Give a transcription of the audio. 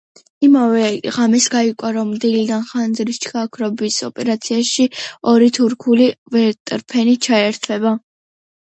იმავე ღამეს გაირკვა, რომ დილიდან ხანძრის ჩაქრობის ოპერაციაში ორი თურქული ვერტმფრენი ჩაერთვება.